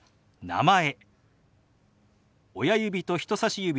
「名前」。